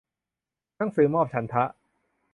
หนังสือมอบฉันทะ